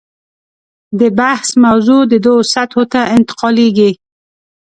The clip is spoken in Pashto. د بحث موضوع دوو سطحو ته انتقالېږي.